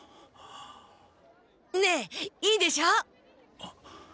ねえいいでしょ？